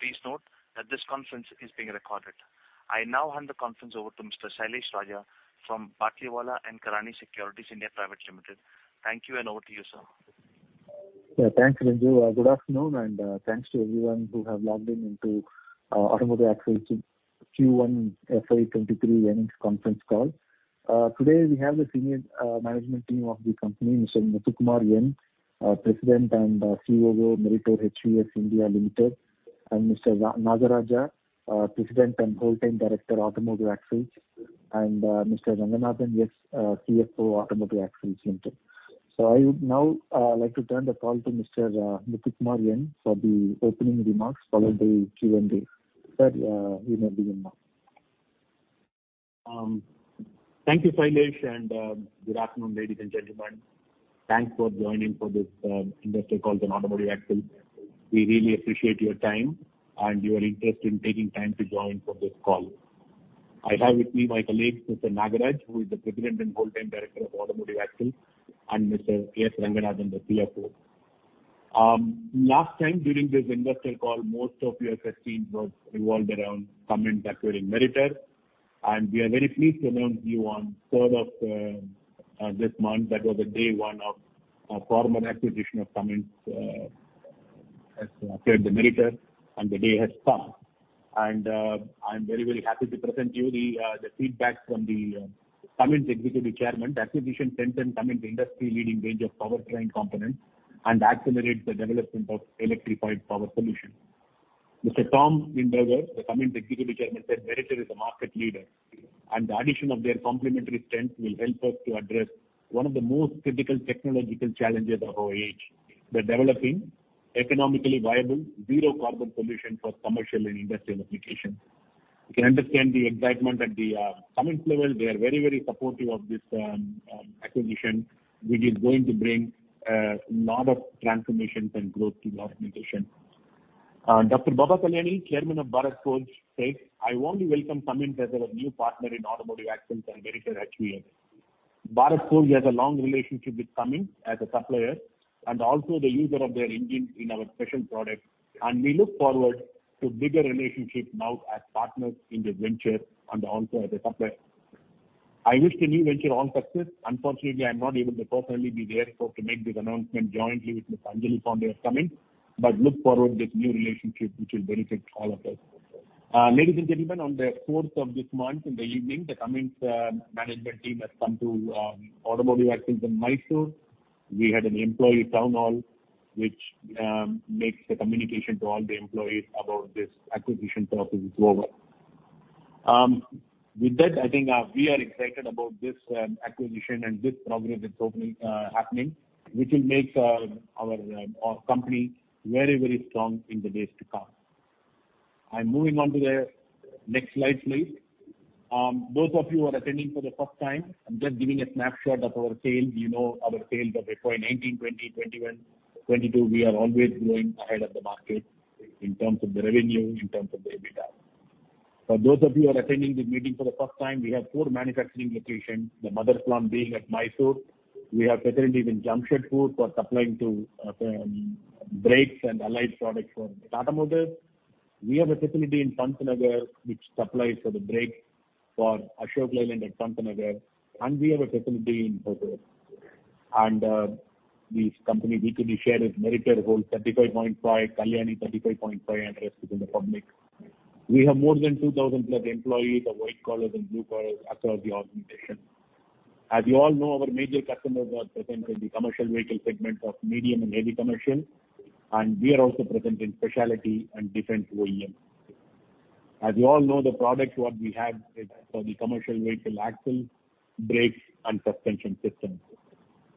Please note that this conference is being recorded. I now hand the conference over to Mr. Sailesh Raja from Batlivala & Karani Securities India Private Limited. Thank you, and over to you, sir. Yeah, thanks, Renu. Good afternoon, and thanks to everyone who have logged in into Automotive Axles' Q1 FY23 earnings conference call. Today, we have the senior management team of the company, Mr. Muthukumar N, our President and CEO of Meritor HVS India Limited, and Mr. Nagaraja, President and Whole Time Director, Automotive Axles, and Mr. Ranganathan, CFO, Automotive Axles Limited. So I would now like to turn the call to Mr. Muthukumar N, for the opening remarks, followed by Q&A. Sir, you may begin now. Thank you, Sailesh, and good afternoon, ladies and gentlemen. Thanks for joining for this investor call on Automotive Axles. We really appreciate your time and your interest in taking time to join for this call. I have with me my colleague, Mr. Nagaraj, who is the President and Whole Time Director of Automotive Axles, and Mr. S. Ranganathan, the CFO. Last time during this investor call, most of your questions was revolved around Cummins acquiring Meritor, and we are very pleased to announce to you on third of this month, that was the day one of formal acquisition of Cummins acquired the Meritor, and the day has come. I'm very happy to present you the feedback from the Cummins Executive Chairman: "The acquisition strengthen Cummins' industry-leading range of powertrain components and accelerates the development of electrified power solution." Mr. Tom Linebarger, the Cummins Executive Chairman, said, "Meritor is a market leader, and the addition of their complementary strengths will help us to address one of the most critical technological challenges of our age, the developing economically viable, zero-carbon solution for commercial and industrial applications." You can understand the excitement at the Cummins level. They are very supportive of this acquisition, which is going to bring lot of transformations and growth to the organization. Dr. Baba Kalyani, Chairman of Bharat Forge, says, "I want to welcome Cummins as our new partner in Automotive Axles and Meritor HVS. Bharat Forge has a long relationship with Cummins as a supplier, and also the user of their engine in our special products, and we look forward to bigger relationship now as partners in this venture and also as a supplier. I wish the new venture all success. Unfortunately, I'm not able to personally be there so to make this announcement jointly with Ms. Anjali Pandey of Cummins, but look forward to this new relationship, which will benefit all of us. Ladies and gentlemen, on the fourth of this month, in the evening, the Cummins management team has come to Automotive Axles in Mysore. We had an employee town hall, which makes the communication to all the employees about this acquisition process is over. With that, I think, we are excited about this, acquisition and this progress that's opening, happening, which will make, our, our company very, very strong in the days to come. I'm moving on to the next slide, please. Those of you who are attending for the first time, I'm just giving a snapshot of our sales. You know our sales of FY 19, 20, 21, 22. We are always going ahead of the market in terms of the revenue, in terms of the EBITDA. For those of you who are attending this meeting for the first time, we have four manufacturing locations, the mother plant being at Mysore. We have facility in Jamshedpur for supplying to, brakes and allied products for Tata Motors. We have a facility in Chakan, which supplies for the brakes for Ashok Leyland at Chakan, and we have a facility in Pithampur. This company, we could be shared with Meritor, holds 35.5, Kalyani 35.5, and rest is in the public. We have more than 2,000 plus employees of white collars and blue collars across the organization. As you all know, our major customers are present in the commercial vehicle segment of medium and heavy commercial, and we are also present in specialty and defense OEM. As you all know, the products what we have is for the commercial vehicle, axle, brakes, and suspension systems.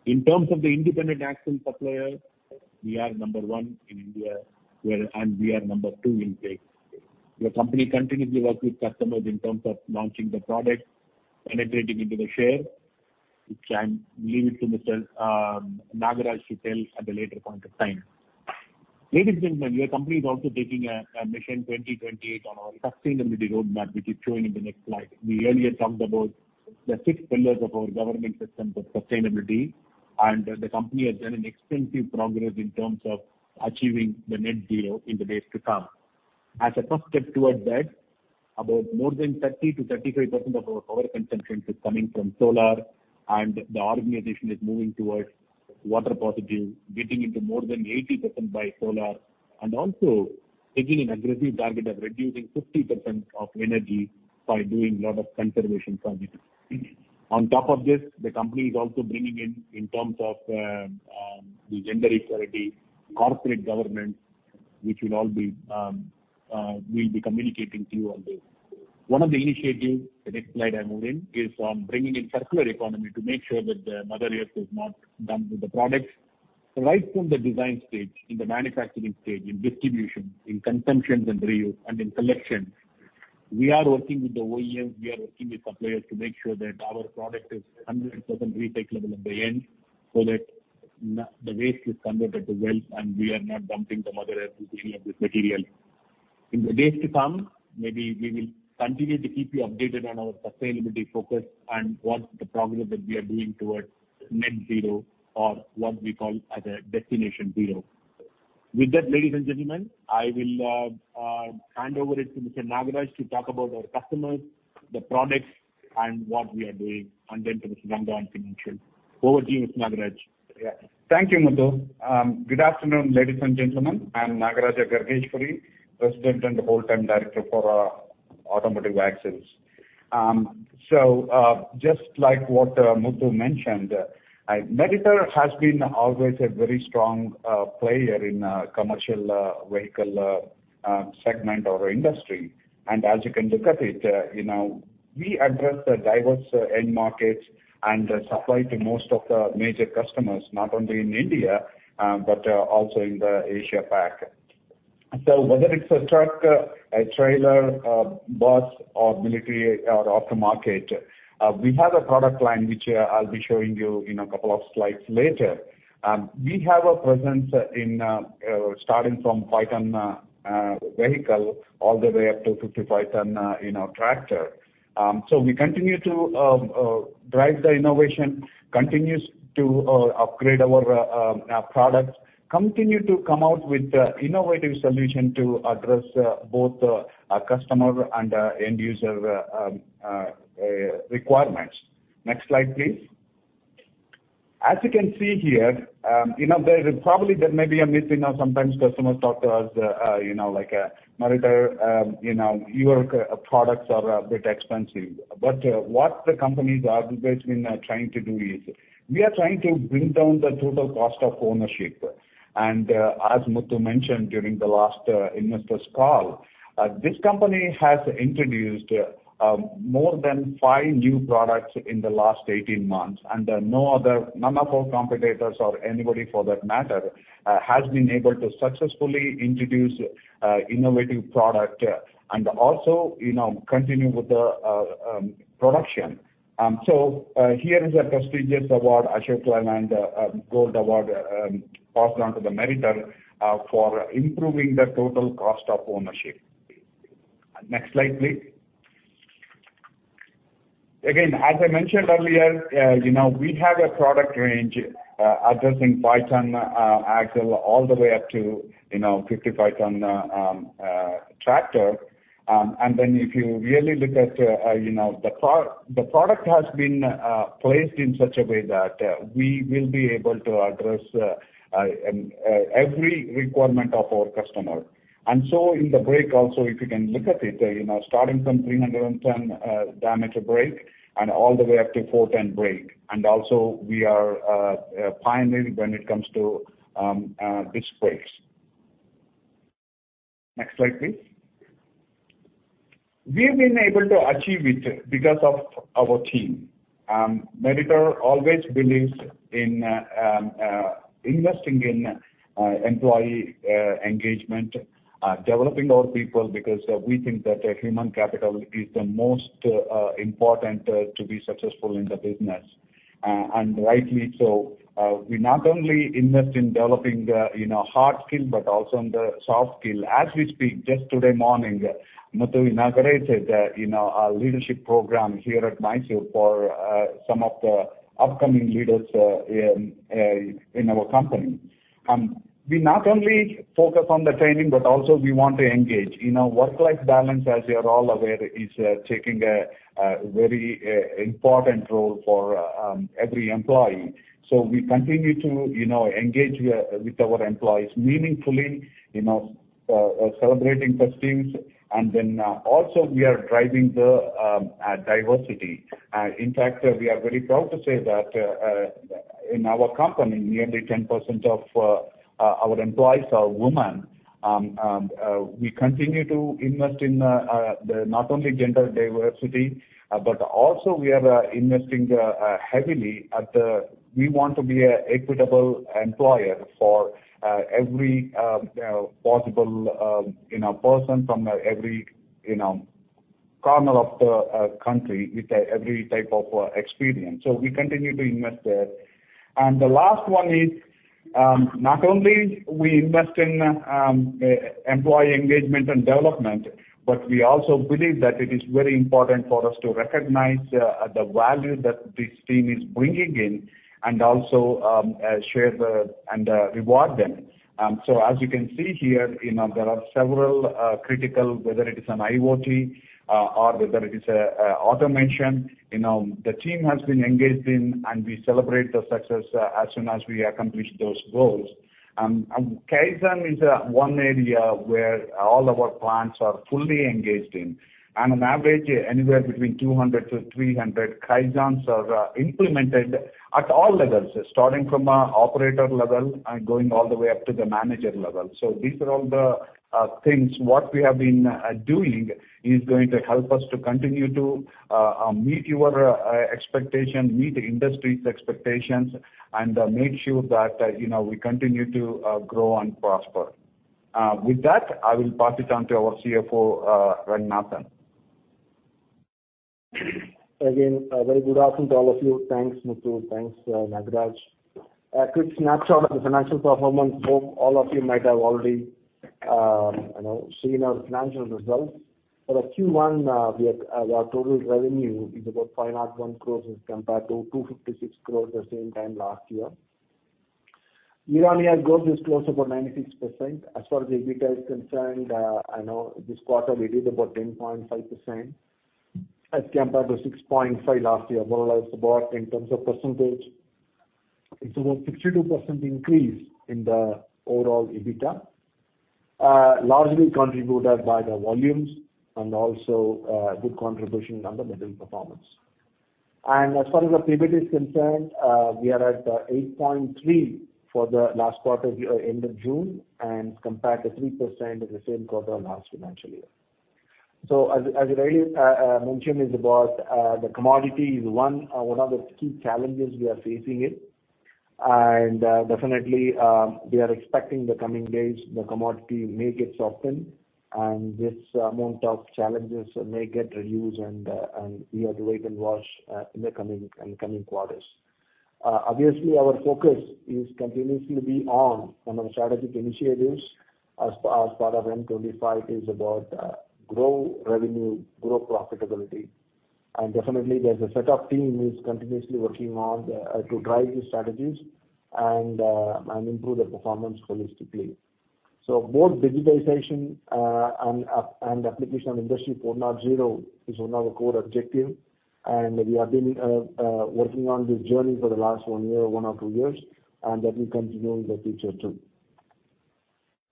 In terms of the independent axle supplier, we are number one in India, and we are number two in brakes. The company continuously works with customers in terms of launching the product, penetrating into the share, which I'll leave it to Mr. Nagaraja to tell at a later point of time. Ladies and gentlemen, your company is also taking a Mission 2028 on our sustainability roadmap, which is showing in the next slide. We earlier talked about the six pillars of our governance system for sustainability, and the company has done an extensive progress in terms of achieving the net zero in the days to come. As a first step towards that, about more than 30 to 35% of our power consumption is coming from solar, and the organization is moving towards water positive, getting into more than 80% by solar, and also taking an aggressive target of reducing 50% of energy by doing a lot of conservation projects. On top of this, the company is also bringing in, in terms of the gender equality, corporate governance, which will all be, we'll be communicating to you on this. One of the initiatives, the next slide I move in, is on bringing in circular economy to make sure that the Mother Earth is not done with the products. Right from the design stage, in the manufacturing stage, in distribution, in consumption and reuse, and in collection, we are working with the OEMs, we are working with suppliers to make sure that our product is 100% recyclable at the end, so that the waste is converted to wealth, and we are not dumping the Mother Earth with any of this material. In the days to come, maybe we will continue to keep you updated on our sustainability focus and what's the progress that we are doing towards net zero or what we call as a Destination Zero.... With that, ladies and gentlemen, I will hand over it to Mr. Nagaraja to talk about our customers, the products, and what we are doing, and then to Mr. Nagaraja on financial. Over to you, Mr. Nagaraja. Yeah. Thank you, Muthu. Good afternoon, ladies and gentlemen. I'm Nagaraja Gargeshwari, President and Whole Time Director for Automotive Axles. So, just like what Muthu mentioned, Meritor has been always a very strong player in commercial vehicle segment or industry. And as you can look at it, you know, we address the diverse end markets and supply to most of the major customers, not only in India, but also in the Asia Pac. So whether it's a truck, a trailer, bus, or military, or aftermarket, we have a product line which I'll be showing you in a couple of slides later. We have a presence in starting from 5-ton vehicle, all the way up to 55-ton, you know, tractor. So we continue to drive the innovation, continues to upgrade our our products, continue to come out with innovative solution to address both our customer and end user requirements. Next slide, please. As you can see here, you know, there may be a myth, you know, sometimes customers talk to us, you know, like, Meritor, you know, your products are a bit expensive. But, what the company's always been trying to do is, we are trying to bring down the total cost of ownership. As Muthu mentioned during the last investor's call, this company has introduced more than five new products in the last 18 months, and no other—none of our competitors or anybody for that matter has been able to successfully introduce innovative product and also, you know, continue with the production. So, here is a prestigious award, Ashok Leyland Gold Award, passed on to the Meritor for improving the total cost of ownership. Next slide, please. Again, as I mentioned earlier, you know, we have a product range addressing 5-ton axle, all the way up to, you know, 55-ton tractor. And then if you really look at, you know, the car, the product has been placed in such a way that we will be able to address every requirement of our customer. And so in the brake also, if you can look at it, you know, starting from 310 diameter brake and all the way up to 4-ton brake. And also we are pioneering when it comes to these brakes. Next slide, please. We've been able to achieve it because of our team. Meritor always believes in investing in employee engagement, developing our people because we think that the human capital is the most important to be successful in the business, and rightly so. We not only invest in developing the, you know, hard skill, but also in the soft skill. As we speak, just today morning, Muthu inaugurated, you know, our leadership program here at Mysore for, some of the upcoming leaders, in our company. We not only focus on the training, but also we want to engage. You know, work-life balance, as you are all aware, is taking a very important role for every employee. So we continue to, you know, engage with our employees meaningfully, you know, celebrating the teams. And then, also we are driving the diversity. In fact, we are very proud to say that, in our company, nearly 10% of our employees are women. We continue to invest in the not only gender diversity, but also we are investing heavily at the... We want to be an equitable employer for every possible, you know, person from every, you know, corner of the country with every type of experience. So we continue to invest there. And the last one is, not only we invest in employee engagement and development, but we also believe that it is very important for us to recognize the value that this team is bringing in and also share the, and reward them. So as you can see here, you know, there are several critical, whether it is an IoT or whether it is a automation, you know, the team has been engaged in, and we celebrate the success as soon as we accomplish those goals. And Kaizen is one area where all our plants are fully engaged in. On an average, anywhere between 200-300 Kaizens are implemented at all levels, starting from a operator level and going all the way up to the manager level. So these are all the things. What we have been doing is going to help us to continue to meet your expectation, meet the industry's expectations, and make sure that, you know, we continue to grow and prosper. With that, I will pass it on to our CFO, Ranganathan. Again, a very good afternoon to all of you. Thanks, Muthu. Thanks, Nagaraj. A quick snapshot of the financial performance. Hope all of you might have already, you know, seen our financial results. For the Q1, we are, our total revenue is about 501 crore as compared to 256 crore the same time last year. Year-on-year growth is close about 96%. As far as the EBITDA is concerned, I know this quarter we did about 10.5% as compared to 6.5% last year. More or less about in terms of percentage, it's about 62% increase in the overall EBITDA, largely contributed by the volumes and also, good contribution on the middle performance. As far as the PBIT is concerned, we are at 8.3% for the last quarter year end of June, and compared to 3% in the same quarter last financial year. So as I already mentioned is about the commodity is one of the key challenges we are facing it. And definitely, we are expecting the coming days, the commodity may get softened, and this amount of challenges may get reduced, and we have to wait and watch in the coming quarters. Obviously, our focus is continuously be on some of the strategic initiatives as part of M25 is about grow revenue, grow profitability. And definitely, there's a set of team who's continuously working on the to drive these strategies and improve the performance holistically. So both digitization and application of Industry 4.0 is one of our core objective, and we have been working on this journey for the last one year, or one or two years, and that will continue in the future, too.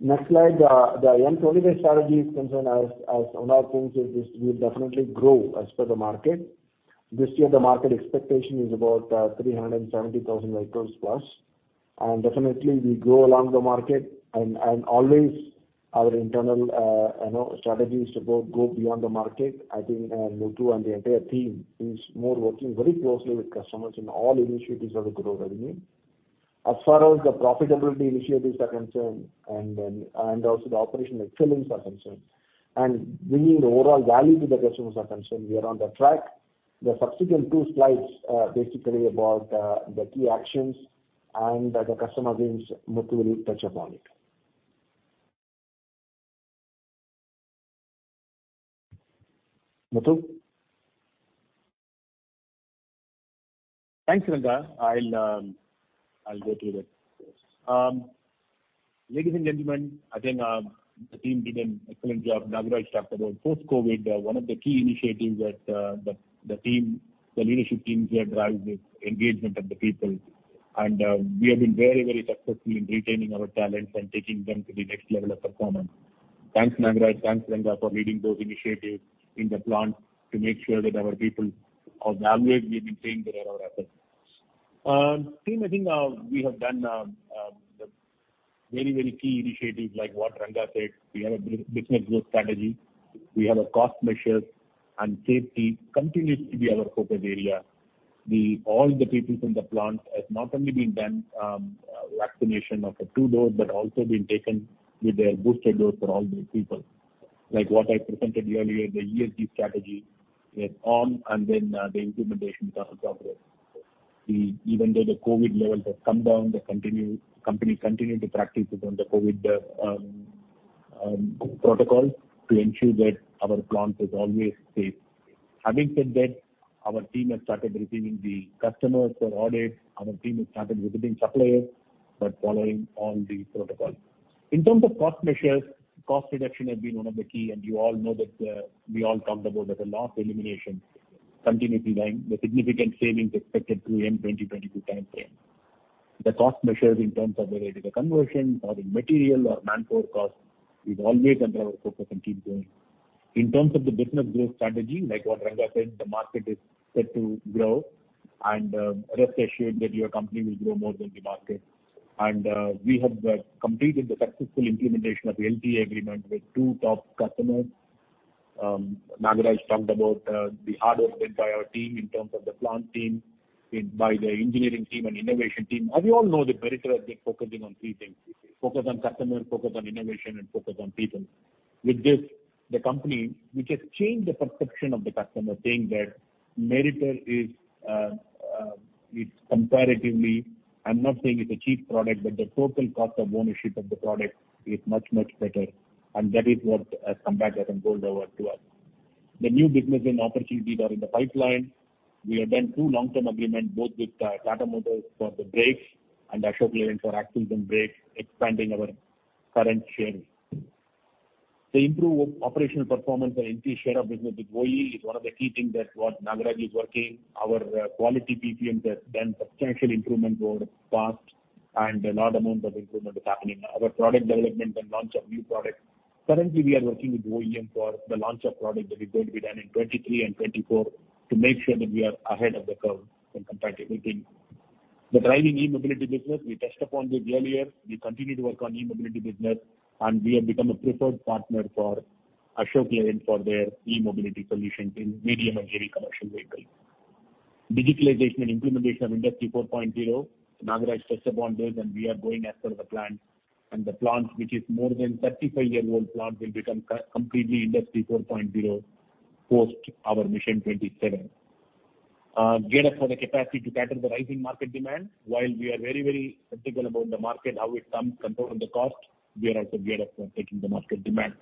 Next slide, as the M25 strategy is concerned, as one of things is this will definitely grow as per the market. This year, the market expectation is about 370,000 vehicles plus, and definitely, we grow along the market. And always our internal, you know, strategy is to go beyond the market. I think Muthu and the entire team is more working very closely with customers in all initiatives of the growth revenue. As far as the profitability initiatives are concerned, and then, and also the operational excellence are concerned, and bringing the overall value to the customers are concerned, we are on the track. The subsequent two slides are basically about, the key actions and the customer wins. Muthu will touch upon it. Muthu? Thanks, Ranga. I'll go through that. Ladies and gentlemen, I think, the team did an excellent job. Nagaraj talked about post-COVID, one of the key initiatives that the team, the leadership team here drives with engagement of the people. And, we have been very, very successful in retaining our talents and taking them to the next level of performance. Thanks, Nagaraj, thanks, Ranga, for leading those initiatives in the plant to make sure that our people are valued. We've been saying that our efforts. Team, I think, we have done the very, very key initiatives like what Ranga said. We have a business growth strategy. We have a cost measures, and safety continues to be our focus area. All the people from the plant has not only been done vaccination of the two dose, but also been taken with their booster dose for all the people. Like what I presented earlier, the ESG strategy is on, and then the implementation is on progress. Even though the COVID levels have come down, the company continue to practice it on the COVID protocol to ensure that our plant is always safe. Having said that, our team has started receiving the customers for audit. Our team has started visiting suppliers, but following all the protocol. In terms of cost measures, cost reduction has been one of the key, and you all know that, we all talked about that the loss elimination continuously lying, the significant savings expected through end 2022 time frame. The cost measures in terms of the rate of conversion or in material or manpower costs is always under our focus and keep going. In terms of the business growth strategy, like what Ranga said, the market is set to grow, and rest assured that your company will grow more than the market. We have completed the successful implementation of the LTA Agreement with two top customers. Nagaraja talked about the hard work done by our team in terms of the plant team, in by the engineering team and innovation team. As you all know, the Meritor has been focusing on three things: focus on customer, focus on innovation, and focus on people. With this, the company, we just changed the perception of the customer, saying that Meritor is, it's comparatively... I'm not saying it's a cheap product, but the total cost of ownership of the product is much, much better, and that is what has come back as a gold award to us. The new business and opportunities are in the pipeline. We have done two long-term agreement, both with, Tata Motors for the brakes and Ashok Leyland for axles and brakes, expanding our current share. The improved operational performance and increase share of business with OEM is one of the key things that what Nagaraj is working. Our, quality PPM has done substantial improvement over the past, and a lot amount of improvement is happening. Our product development and launch of new products. Currently, we are working with OEM for the launch of product that is going to be done in 2023 and 2024 to make sure that we are ahead of the curve in competitive meeting. The driving E-mobility business, we touched upon this earlier. We continue to work on E-mobility business, and we have become a preferred partner for Ashok Leyland for their E-mobility solution in medium and heavy commercial vehicle. Digitalization and implementation of Industry 4.0, Nagaraja touched upon this, and we are going as per the plan. The plant, which is more than 35-year-old plant, will become completely Industry 4.0 post our Mission 27, gear up for the capacity to cater the rising market demand. While we are very, very critical about the market, how we come, control the cost, we are also geared up for taking the market demand.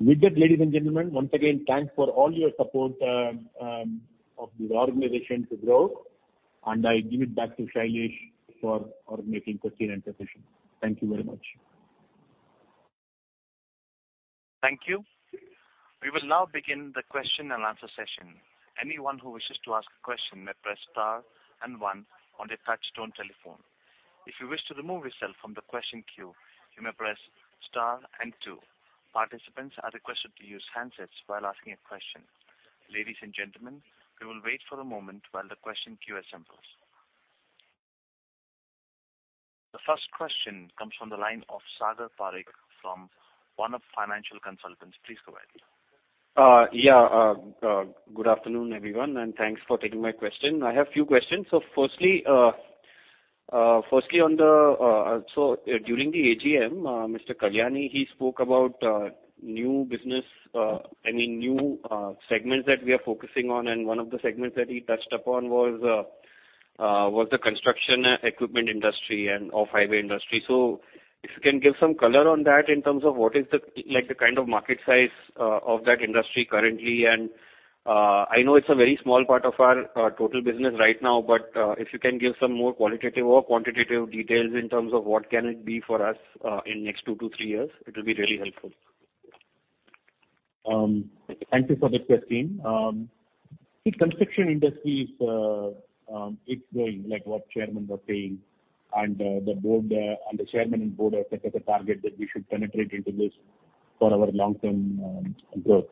With that, ladies and gentlemen, once again, thanks for all your support of the organization to grow, and I give it back to Sailesh for organizing question and discussion. Thank you very much. Thank you. We will now begin the question and answer session. Anyone who wishes to ask a question may press star and one on the touchtone telephone. If you wish to remove yourself from the question queue, you may press star and two. Participants are requested to use handsets while asking a question. Ladies and gentlemen, we will wait for a moment while the question queue assembles. The first question comes from the line of Sagar Parekh from One Up Financial Consultants. Please go ahead. Yeah, good afternoon, everyone, and thanks for taking my question. I have few questions. So firstly, during the AGM, Mr. Kalyani, he spoke about new business, I mean, new segments that we are focusing on, and one of the segments that he touched upon was the construction equipment industry and off-highway industry. So if you can give some color on that in terms of what is the, like, the kind of market size of that industry currently, and, I know it's a very small part of our total business right now, but, if you can give some more qualitative or quantitative details in terms of what can it be for us in next 2-3 years, it will be really helpful. Thank you for the question. The construction industry is, it's growing, like what chairman was saying, and, the board, and the chairman and board have set as a target that we should penetrate into this for our long-term, growth.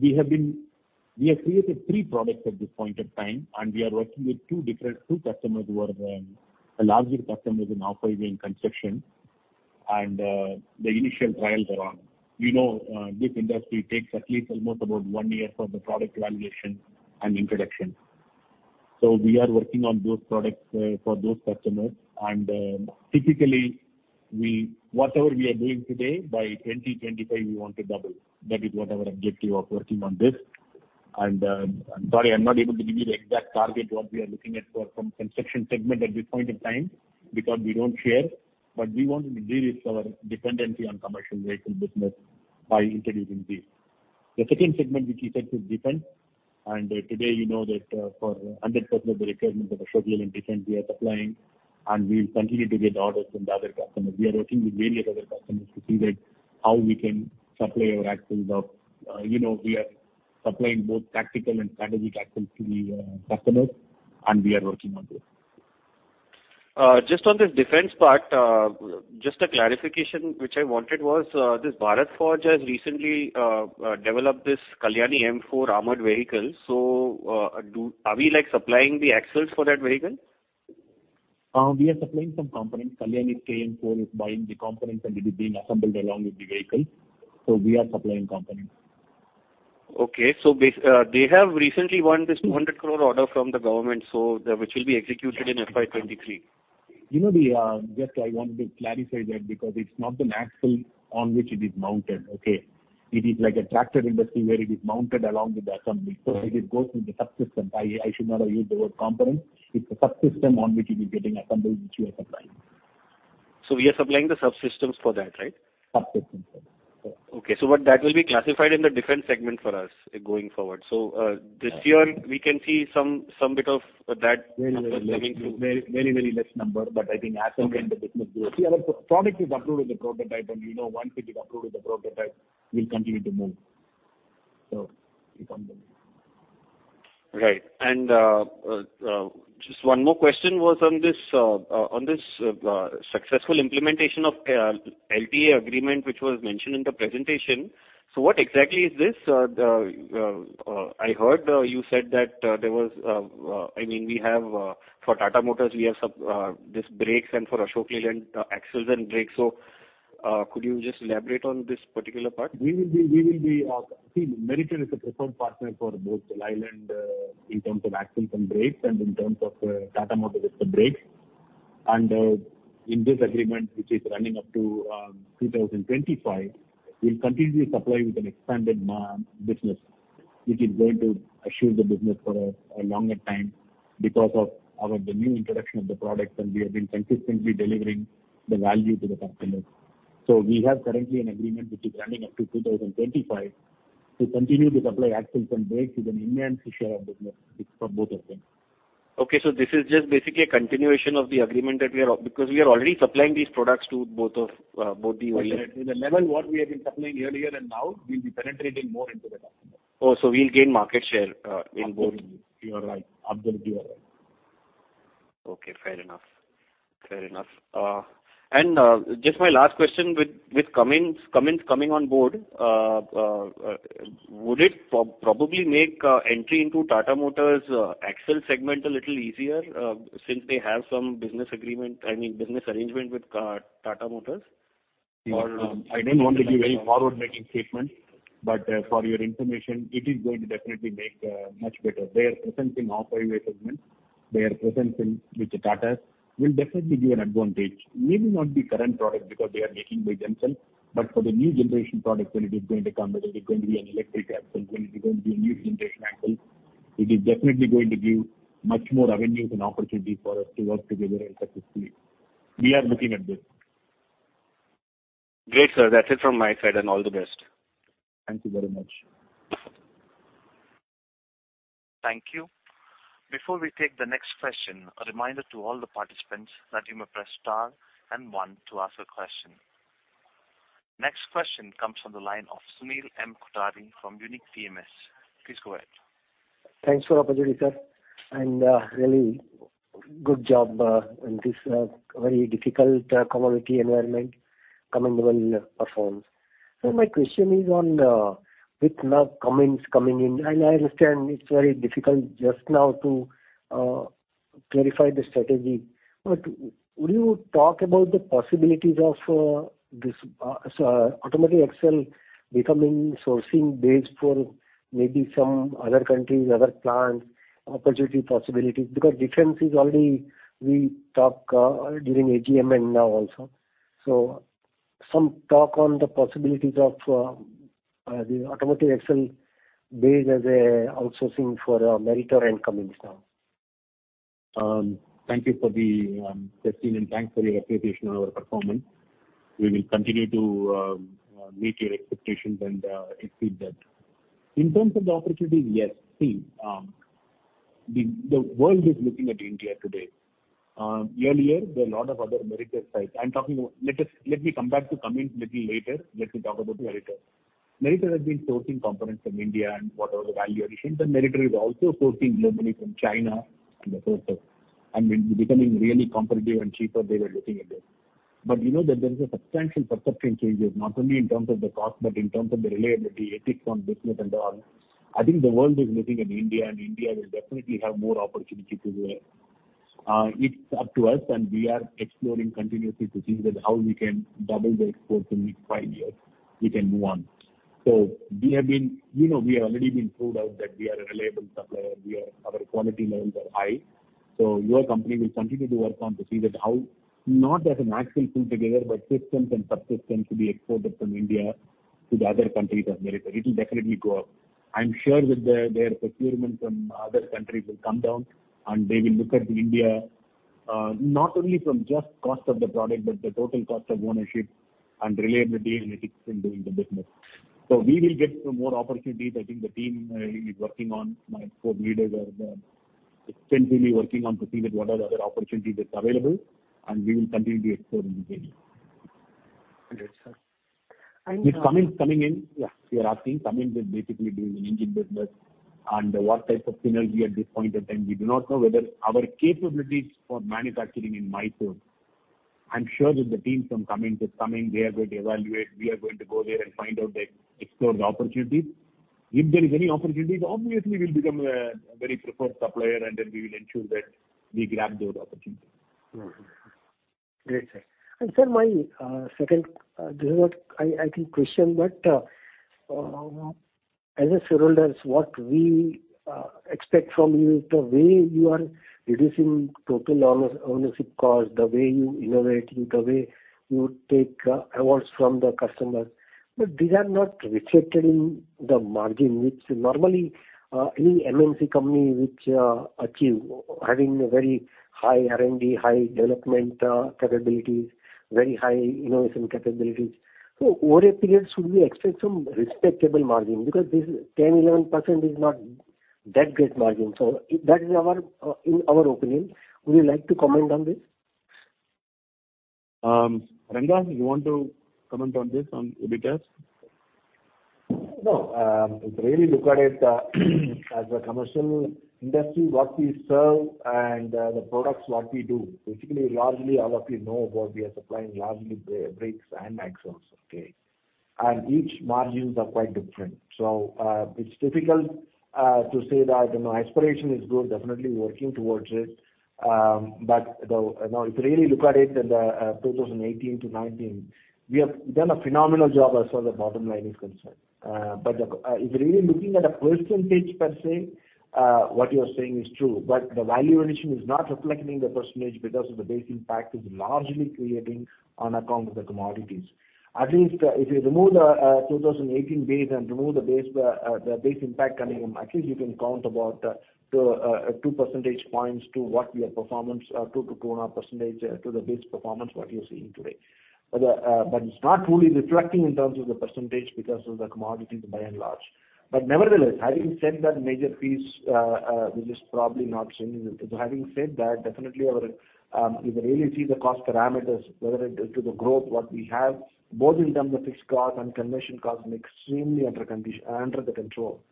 We have created three products at this point in time, and we are working with two different, two customers who are, a larger customer than off-highway and construction, and, the initial trials are on. You know, this industry takes at least almost about one year for the product validation and introduction. So we are working on those products, for those customers, and, typically, we, whatever we are doing today, by 2025, we want to double. That is what our objective of working on this. I'm sorry, I'm not able to give you the exact target, what we are looking at for from construction segment at this point in time, because we don't share, but we want to de-risk our dependency on commercial vehicle business by introducing this. The second segment, which you said, is defense, and today, you know that, for 100% of the requirement of Ashok Leyland Defense, we are supplying, and we will continue to get orders from the other customers. We are working with various other customers to see that how we can supply our axles. You know, we are supplying both tactical and strategic axles to the customers, and we are working on this. Just on this defense part, just a clarification which I wanted was, this Bharat Forge has recently developed this Kalyani M4 armored vehicle. So, are we, like, supplying the axles for that vehicle? We are supplying some components. Kalyani M4 is buying the components, and it is being assembled along with the vehicle, so we are supplying components. Okay, so they have recently won this 200 crore order from the government, so the, which will be executed in FY 2023. You know, just I wanted to clarify that because it's not the axle on which it is mounted, okay? It is like a tractor industry where it is mounted along with the assembly. So it goes with the subsystem. I should not have used the word component. It's a subsystem on which it is getting assembled, which we are supplying. So we are supplying the subsystems for that, right? Subsystems, yes. Okay, so but that will be classified in the defense segment for us going forward. So, Yeah. This year, we can see some bit of that- Very, very less. -coming through. Very, very less number, but I think as and when the business grows. See, our product is approved as a prototype, and you know, once it is approved as a prototype, we'll continue to move, so it comes in. Right. And just one more question was on this successful implementation of LTA agreement, which was mentioned in the presentation. So what exactly is this? I heard you said that there was—I mean, we have for Tata Motors, we have this brakes, and for Ashok Leyland, axles and brakes. So could you just elaborate on this particular part? We will be. Meritor is a preferred partner for both Leyland in terms of axles and brakes, and in terms of Tata Motors with the brakes. In this agreement, which is running up to 2025, we'll continue to supply with an expanded business, which is going to assure the business for a longer time because of our new introduction of the products, and we have been consistently delivering the value to the customers. We have currently an agreement which is running up to 2025 to continue to supply axles and brakes with an enhanced share of business for both of them. Okay, so this is just basically a continuation of the agreement that we are... Because we are already supplying these products to both of both the dealers. The level what we have been supplying earlier and now, we'll be penetrating more into the market. Oh, so we'll gain market share in both. You are right. Absolutely, you are right. Okay, fair enough. Fair enough. And just my last question with Cummins coming on board, would it probably make entry into Tata Motors' axle segment a little easier, since they have some business agreement, I mean, business arrangement with Tata Motors? Or- I don't want to give any forward-looking statement, but, for your information, it is going to definitely make much better. They are present in off-highway segment. Their presence with the Tatas will definitely give an advantage. Maybe not the current product, because they are making by themselves, but for the new generation products, when it is going to come, whether it's going to be an electric axle, whether it is going to be a new generation axle, it is definitely going to give much more avenues and opportunity for us to work together and successfully. We are looking at this. Great, sir. That's it from my side, and all the best. Thank you very much. Thank you. Before we take the next question, a reminder to all the participants that you may press star and 1 to ask a question. Next question comes from the line of Sunil Kothari from Unique PMS. Please go ahead. Thanks for the opportunity, sir, and really good job in this very difficult commodity environment. Commendable performance. So my question is on the, with now Cummins coming in, and I understand it's very difficult just now to clarify the strategy. But would you talk about the possibilities of this so Automotive Axles becoming sourcing base for maybe some other countries, other plants, opportunity, possibilities? Because difference is already we talk during AGM and now also. So some talk on the possibilities of the Automotive Axles base as a outsourcing for military and Cummins now. Thank you for the question, and thanks for your appreciation on our performance. We will continue to meet your expectations and exceed that. In terms of the opportunities, yes, see, the world is looking at India today. Earlier, there are a lot of other military sites. I'm talking about. Let me come back to Cummins little later. Let me talk about military. Military has been sourcing components from India and whatever the value addition, the military is also sourcing globally from China and the sources. And we've becoming really competitive and cheaper, they were looking at it. But you know that there is a substantial perception changes, not only in terms of the cost, but in terms of the reliability, ethics on business and all. I think the world is looking at India, and India will definitely have more opportunities this year. It's up to us, and we are exploring continuously to see that how we can double the exports in the next five years, we can move on. So we have been, you know, we have already been proved out that we are a reliable supplier. We are, our quality levels are high. So your company will continue to work on to see that how, not as an axle put together, but systems and subsystems to be exported from India to the other countries of military. It will definitely go up. I'm sure that their, their procurement from other countries will come down, and they will look at India, not only from just cost of the product, but the total cost of ownership and reliability and ethics in doing the business. So we will get some more opportunities. I think the team is working on, my four leaders are extensively working on to see that what are the other opportunities that's available, and we will continue to explore in detail. Great, sir. And- With Cummins coming in, yeah, you are asking, Cummins is basically doing an engine business and what type of synergy at this point in time. We do not know whether our capabilities for manufacturing in Mysore. I'm sure that the teams from Cummins is coming, they are going to evaluate, we are going to go there and find out, explore the opportunities. If there is any opportunities, obviously, we'll become a very preferred supplier, and then we will ensure that we grab those opportunities. Great, sir. And sir, my second, this is what I, I think, question, but, as a shareholders, what we expect from you, the way you are reducing total owners-ownership cost, the way you innovating, the way you take awards from the customers. But these are not reflected in the margin, which normally, any MMC company which achieve, having a very high R&D, high development capabilities, very high innovation capabilities. So over a period, should we expect some respectable margin? Because this 10 to 11% is not that great margin. So that is our, in our opinion, would you like to comment on this? Ranga, you want to comment on this, on EBITDA? No, if you really look at it, as a commercial industry, what we serve and, the products, what we do, basically, largely all of you know about we are supplying largely brakes and axles, okay? And each margins are quite different. So, it's difficult to say that, you know, aspiration is good, definitely working towards it. But, you know, if you really look at it in the 2018-2019, we have done a phenomenal job as far as the bottom line is concerned. But the, if you're really looking at a percentage per se, what you're saying is true, but the value addition is not reflecting the percentage because of the base impact is largely creating on account of the commodities. At least, if you remove the 2018 base and remove the base, the base impact coming in, at least you can count about 2 percentage points to what your performance 2-2.5 percentage to the base performance, what you're seeing today. But it's not truly reflecting in terms of the percentage because of the commodities, by and large. But nevertheless, having said that, major piece, which is probably not seeing it. So having said that, definitely our, if you really see the cost parameters, whether it is to the growth, what we have, both in terms of fixed cost and commission cost, extremely under condition, under the control,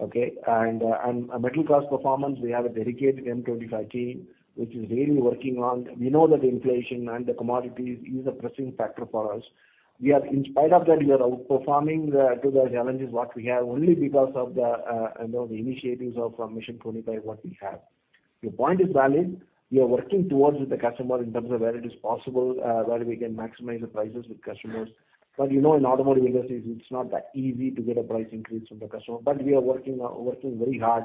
okay? And our metal cost performance, we have a dedicated M25 team, which is really working on... We know that the inflation and the commodities is a pressing factor for us. We are, in spite of that, we are outperforming the challenges what we have only because of the, you know, the initiatives of our Mission 25, what we have. Your point is valid. We are working towards with the customer in terms of where it is possible, where we can maximize the prices with customers. But, you know, in automotive industry, it's not that easy to get a price increase from the customer, but we are working, working very hard.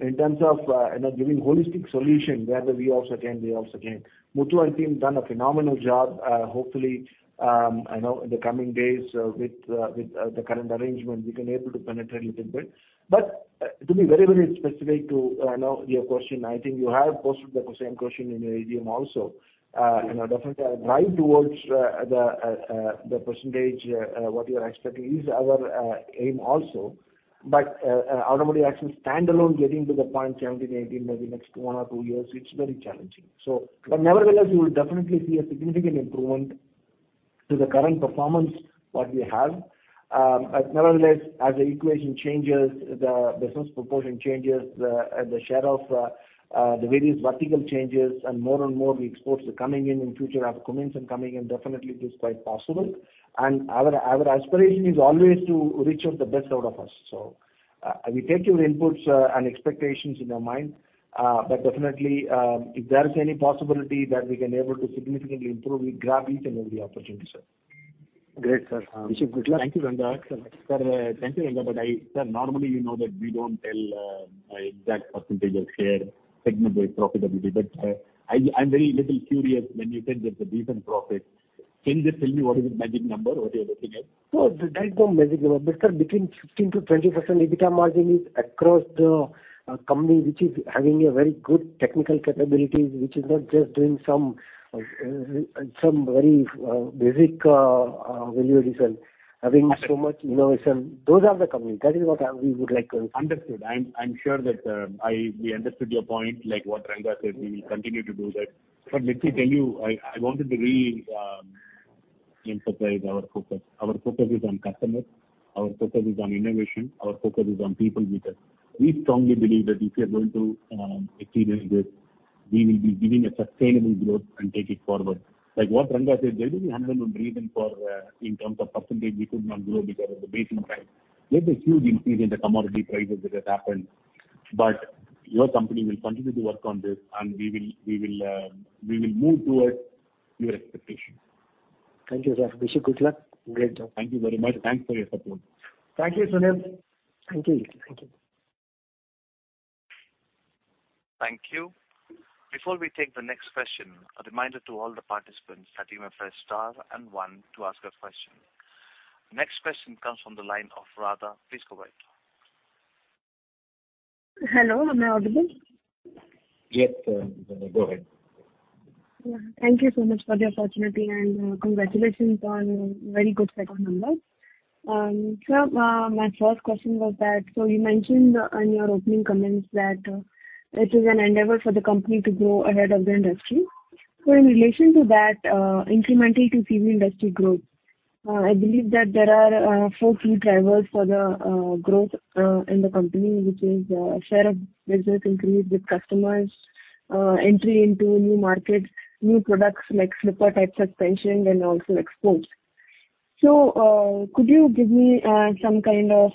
In terms of, you know, giving holistic solution, where we also can, we also can. Muthu and team done a phenomenal job. Hopefully, I know in the coming days, with the current arrangement, we can able to penetrate a little bit. But, to be very, very specific to now your question, I think you have posted the same question in your AGM also. You know, definitely drive towards the percentage what you are expecting is our aim also. But Automotive Axles standalone, getting to the 17 to 18%, maybe next one or two years, it's very challenging. But nevertheless, you will definitely see a significant improvement to the current performance what we have. Nevertheless, as the equation changes, the business proportion changes, the share of the various vertical changes, and more and more exports are coming in in future, are commenced and coming in, definitely it is quite possible. And our aspiration is always to reach out the best out of us. We take your inputs and expectations in our mind, but definitely, if there is any possibility that we can able to significantly improve, we grab each and every opportunity, sir. Great, sir. Wish you good luck. Thank you, Ranga. Sir, thank you, Ranga, but Sir, normally you know that we don't tell exact percentage of share, segment-wise profitability, but I'm very little curious when you said that the decent profit. Can you just tell me what is the magic number, what you are looking at? No, there's no magic number. But, sir, between 15 to 20% EBITDA margin is across the company, which is having a very good technical capability, which is not just doing some some very basic value addition. Having so much innovation, those are the companies. That is what I, we would like to- Understood. I'm sure that we understood your point, like what Ranga said, we will continue to do that. But let me tell you, I wanted to really emphasize our focus. Our focus is on customers, our focus is on innovation, our focus is on people with us. We strongly believe that if we are going to achieve this, we will be giving a sustainable growth and take it forward. Like what Ranga said, there will be 100 good reason for in terms of percentage, we could not grow because of the base impact. There's a huge increase in the commodity prices that has happened, but your company will continue to work on this, and we will move towards your expectations. Thank you, sir. Wish you good luck. Great job. Thank you very much. Thanks for your support. Thank you, Sunil. Thank you. Thank you. Thank you. Before we take the next question, a reminder to all the participants that you may press Star and 1 to ask a question. Next question comes from the line of Radha. Please go ahead. Hello, am I audible? Yes, sir. Go ahead. Thank you so much for the opportunity, and congratulations on very good set of numbers. Sir, my first question was that, so you mentioned in your opening comments that, it is an endeavor for the company to grow ahead of the industry. So in relation to that, incremental to see the industry growth, I believe that there are, four key drivers for the, growth, in the company, which is, share of business increase with customers, entry into new markets, new products like Slipper-type suspension, and also exports. So, could you give me, some kind of,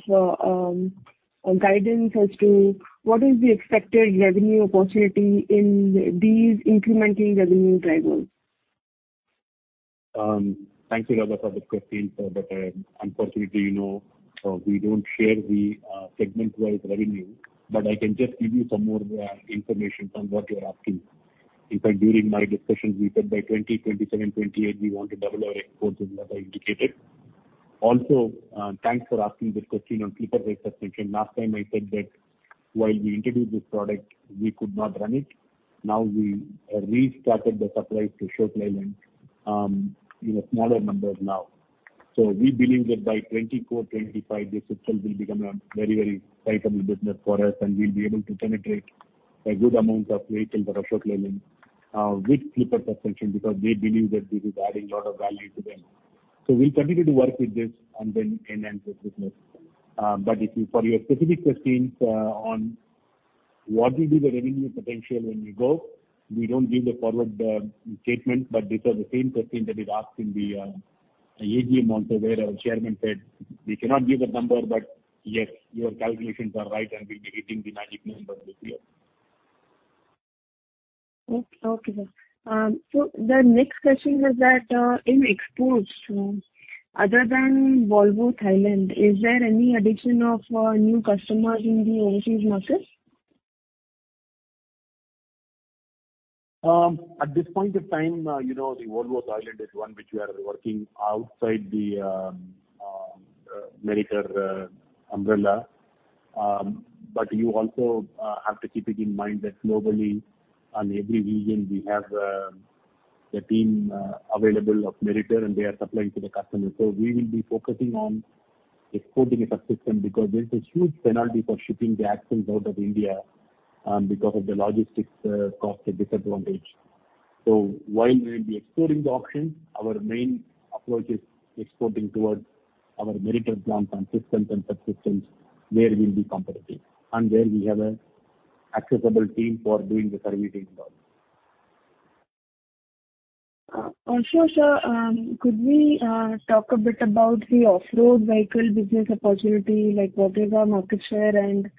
guidance as to what is the expected revenue opportunity in these incremental revenue drivers? Thank you, Radha, for the question, but unfortunately, you know, we don't share the segment-wise revenue, but I can just give you some more information on what you are asking. In fact, during my discussions, we said by 2027-2028, we want to double our exports, as I indicated. Also, thanks for asking this question on slipper-type suspension. Last time I said that while we introduced this product, we could not run it. Now we restarted the supplies to Ashok Leyland in a smaller numbers now. So we believe that by 2024-2025, this itself will become a very, very profitable business for us, and we'll be able to penetrate a good amount of vehicles that are Ashok Leyland with slipper suspension, because they believe that this is adding a lot of value to them. So we'll continue to work with this and then enhance this business. But if you, for your specific questions, on what will be the revenue potential when we go, we don't give the forward statement, but this is the same question that is asked in the AGM also, where our chairman said, "We cannot give a number, but yes, your calculations are right, and we'll be hitting the magic number this year. Okay. Okay, sir. So the next question was that, in exports, other than Volvo, Thailand, is there any addition of new customers in the overseas markets? At this point of time, you know, the Volvo, Thailand, is one which we are working outside the Meritor umbrella. But you also have to keep it in mind that globally, on every region, we have a team available of Meritor, and they are supplying to the customer. So we will be focusing on exporting a subsystem, because there's a huge penalty for shipping the axles out of India, because of the logistics cost disadvantage. So while we will be exploring the option, our main approach is exporting towards our Meritor plants and systems and subsystems, where we'll be competitive, and where we have an accessible team for doing the servicing job.... Also, sir, could we talk a bit about the off-road vehicle business opportunity, like what is our market share, and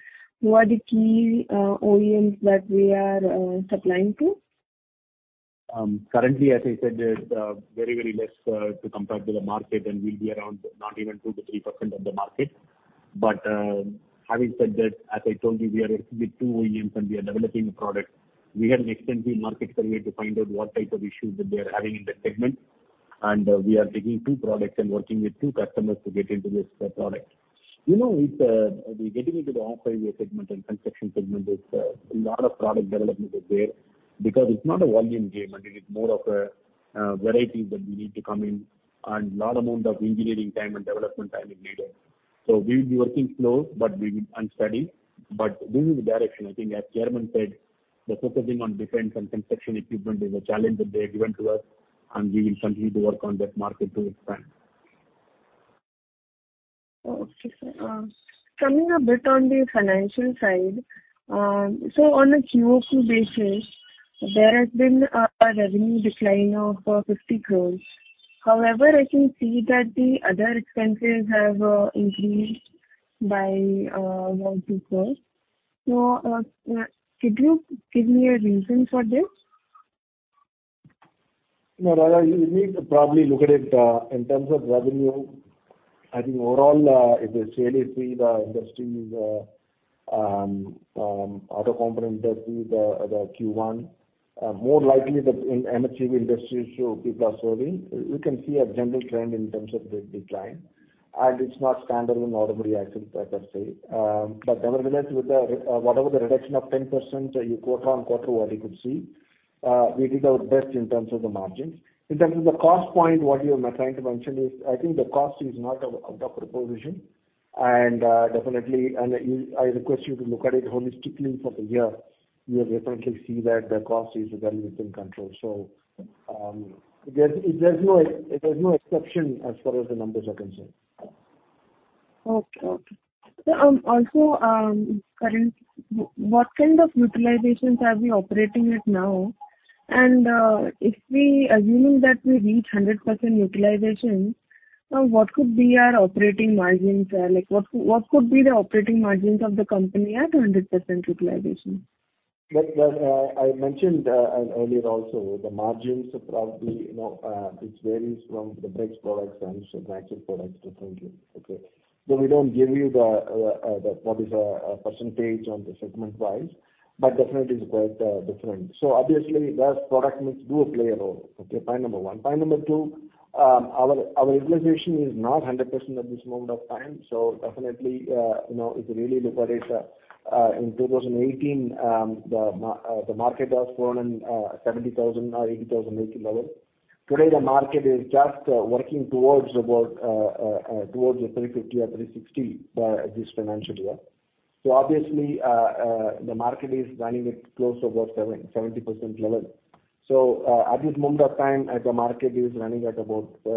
who are the key OEMs that we are supplying to? Currently, as I said, it's very, very less to compare to the market, and we'll be around not even 2 to 3% of the market. But, having said that, as I told you, we are with 2 OEMs, and we are developing the product. We had an extensive market survey to find out what type of issues that they are having in that segment, and we are taking 2 products and working with 2 customers to get into this product. You know, with we getting into the off-highway segment and construction segment, it's a lot of product development is there because it's not a volume game, and it is more of a variety that we need to come in, and lot amount of engineering time and development time is needed. We will be working closely, but steady. This is the direction. I think as chairman said, the focus on defense and construction equipment is a challenge that they have given to us, and we will continue to work on that market to expand. Okay, sir. Coming a bit on the financial side, so on a QoQ basis, there has been a revenue decline of 50 crore. However, I can see that the other expenses have increased by 1 crore-2 crore. So, could you give me a reason for this? No, Raja, you need to probably look at it in terms of revenue. I think overall, if you really see the industry, auto component industry, the Q1, more likely that in MHCV industry, so people are slowing. You can see a general trend in terms of the decline, and it's not Automotive Axles per se. But nevertheless, with the whatever the reduction of 10% quarter-on-quarter what you could see, we did our best in terms of the margins. In terms of the cost point, what you are trying to mention is, I think the cost is not a proper proposition, and definitely, and you—I request you to look at it holistically for the year. You will definitely see that the cost is well within control. So, there's no exception as far as the numbers are concerned. Okay. So, also, currently, what kind of utilizations are we operating at now? And, if we assuming that we reach 100% utilization, now, what could be our operating margins, like, what, what could be the operating margins of the company at a 100% utilization? Well, well, I mentioned earlier also, the margins are probably, you know, it varies from the brakes products and the axle products differently, okay? So we don't give you the, the, what is the, percentage on the segment-wise, but definitely is quite, different. So obviously, that product mix do play a role. Okay, point number one. Point number two, our utilization is not 100% at this moment of time. So definitely, you know, if you really look at it, in 2018, the market was grown in 70,000 or 80,000 AC level. Today, the market is just working towards about towards the 350 or 360 this financial year. So obviously, the market is running at close to about 70% level. So, at this moment of time, as the market is running at about 60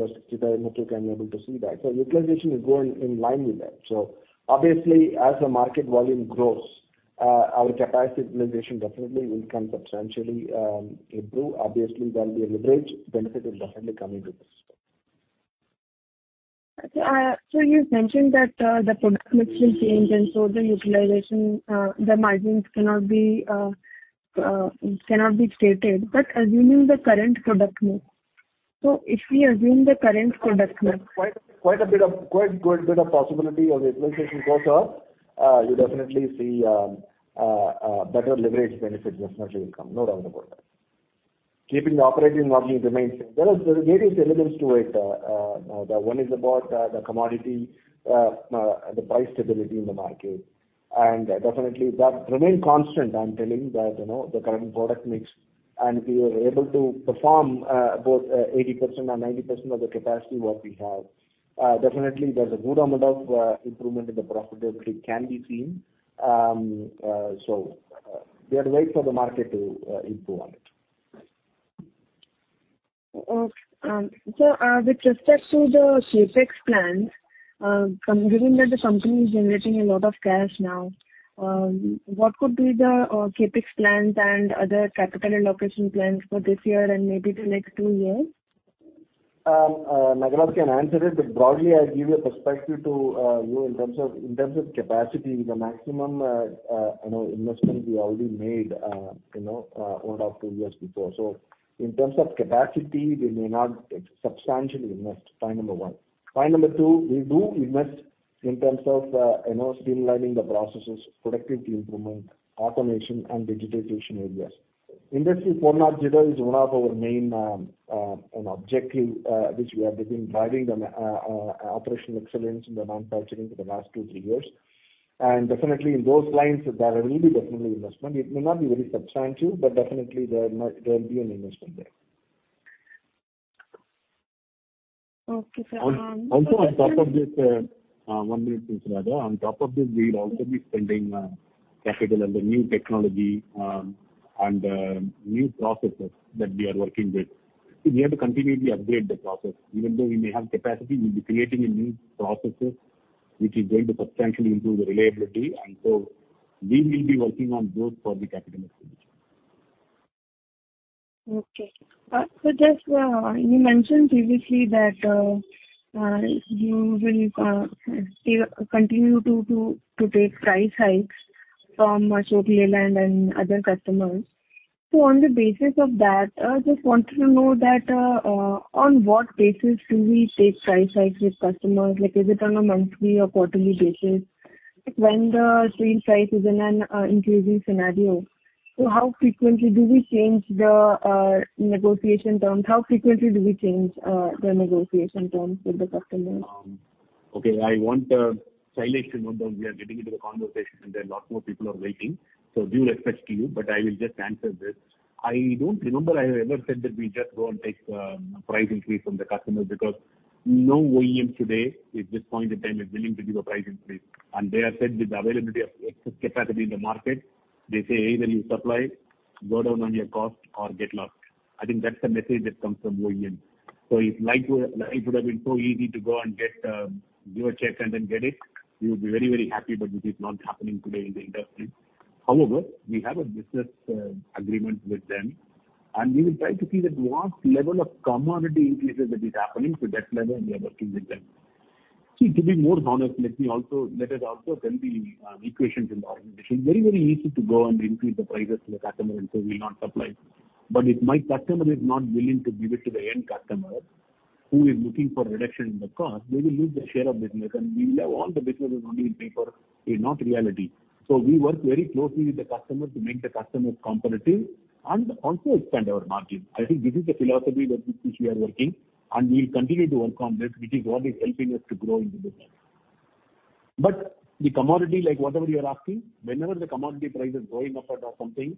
or 65 metric, I'm able to see that. So utilization is going in line with that. So obviously, as the market volume grows, our capacity utilization definitely will come substantially improve. Obviously, then the leverage benefit will definitely come into this. So you mentioned that the product mix will change, and so the utilization, the margins cannot be stated. But assuming the current product mix, so if we assume the current product mix- Quite a bit of possibility of the utilization goes up, you definitely see better leverage benefits as much will come, no doubt about that. Keeping the operating margin remains. There are various elements to it. The one is about the commodity, the price stability in the market, and definitely, that remain constant. I'm telling that, you know, the current product mix, and we were able to perform both 80% and 90% of the capacity what we have. Definitely, there's a good amount of improvement in the profitability can be seen. So, we have to wait for the market to improve on it. Okay. So, with respect to the CapEx plans, considering that the company is generating a lot of cash now, what could be the CapEx plans and other capital allocation plans for this year and maybe the next two years? Nagaraja can answer it, but broadly, I'll give you a perspective to you in terms of, in terms of capacity, the maximum, you know, investment we already made, you know, one or two years before. So in terms of capacity, we may not substantially invest, point number one. Point number two, we do invest in terms of, you know, streamlining the processes, productivity improvement, automation, and digitization areas. Industry 4.0 is one of our main, you know, objective, which we have been driving operational excellence in the manufacturing for the last two, three years. And definitely, in those lines, there will be definitely investment. It may not be very substantial, but definitely there might, there will be an investment there. Okay, sir, Also, on top of this, one minute please, Raja. On top of this, we'll also be spending capital on the new technology, and new processes that we are working with. We have to continually upgrade the process. Even though we may have capacity, we'll be creating a new processes, which is going to substantially improve the reliability, and so-... we will be working on those for the capital expenditure. Okay. So just, you mentioned previously that you will still continue to take price hikes from Ashok Leyland and other customers. So on the basis of that, I just wanted to know that on what basis do we take price hikes with customers? Like, is it on a monthly or quarterly basis? When the sale price is in an increasing scenario, so how frequently do we change the negotiation terms? How frequently do we change the negotiation terms with the customers? Okay, I want Sailesh to note down. We are getting into the conversation, and there are lot more people are waiting, so due respect to you, but I will just answer this. I don't remember I have ever said that we just go and take price increase from the customers, because no OEM today, at this point in time, is willing to give a price increase. And they have said with the availability of excess capacity in the market, they say, "Either you supply, go down on your cost or get lost." I think that's the message that comes from OEM. So if life were-- life would have been so easy to go and get, give a check and then get it, we would be very, very happy, but this is not happening today in the industry. However, we have a business agreement with them, and we will try to see that what level of commodity increases that is happening, to that level, we are working with them. See, to be more honest, let me also let us also tell the economics in the organization. It's very, very easy to go and increase the prices to the customer, and so we'll not supply. But if my customer is not willing to give it to the end customer, who is looking for reduction in the cost, we will lose the share of business, and we will have all the businesses only on paper, and not reality. So we work very closely with the customer to make the customers competitive and also expand our margins. I think this is the philosophy that which we are working, and we will continue to work on this, which is what is helping us to grow in the business. But the commodity, like whatever you are asking, whenever the commodity price is going up or something,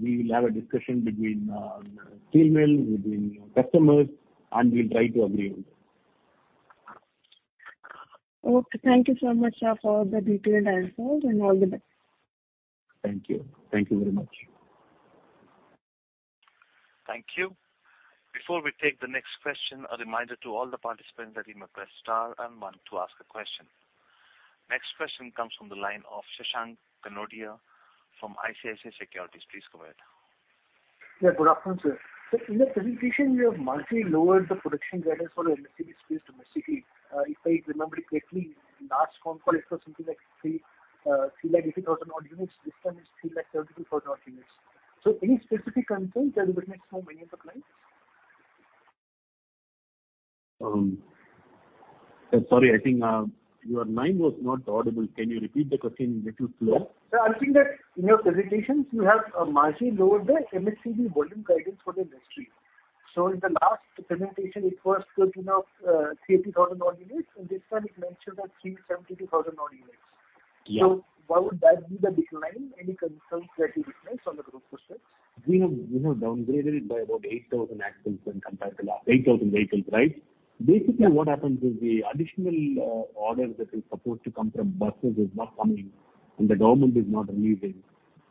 we will have a discussion between steel mill, between customers, and we'll try to agree on it. Okay. Thank you so much, sir, for the detailed answers, and all the best. Thank you. Thank you very much. Thank you. Before we take the next question, a reminder to all the participants that you may press star and one to ask a question. Next question comes from the line of Shashank Kanodia from ICICI Securities. Please go ahead. Yeah, good afternoon, sir. So in the presentation, you have largely lowered the production guidance for M&HCV sales domestically. If I remember correctly, last conference was something like 380,000 odd units. This time it's 372,000 odd units. So any specific concerns that you witness from any of the clients? Sorry, I think your line was not audible. Can you repeat the question little clearer? Sir, I think that in your presentations, you have largely lowered the M&HCV volume guidance for the industry. So in the last presentation, it was talking of 30,000 odd units, and this time it mentioned that 372,000 odd units. Yeah. Why would that be the decline? Any concerns that you witness on the group front? We have downgraded it by about 8,000 axles when compared to last 8,000 vehicles, right? Yeah. Basically, what happens is the additional order that is supposed to come from buses is not coming, and the government is not releasing.